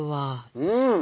うん！